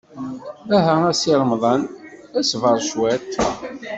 Aha a Si Remḍan, ṣber cwiṭ.